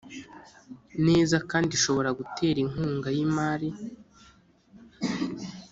Neza kandi ishobora gutera inkunga y imari